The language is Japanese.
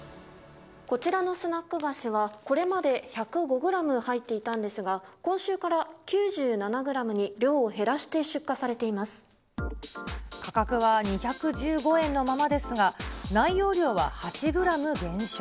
こちらのスナック菓子は、これまで１０５グラム入っていたんですが、今週から９７グラムに価格は２１５円のままですが、内容量は８グラム減少。